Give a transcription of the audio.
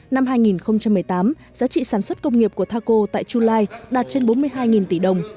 năm hai nghìn một mươi tám giá trị sản xuất công nghiệp của thaco tại chulai đạt trên bốn mươi hai tỷ đồng